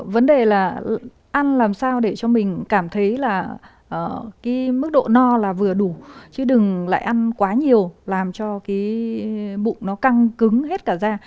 vấn đề là ăn làm sao để cho mình cảm thấy là cái mức độ no là vừa đủ chứ đừng lại ăn quá nhiều làm cho cái bụng nó căng cứng hết cả da